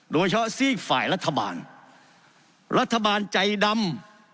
โดยเฉาะซีกฝ่ายรัฐบาลรัฐบาลใจดำ